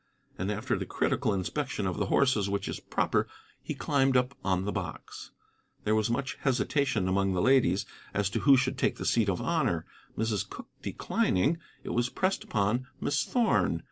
And after the critical inspection of the horses which is proper he climbed up on the box. There was much hesitation among the ladies as to who should take the seat of honor: Mrs. Cooke declining, it was pressed upon Miss Thorn.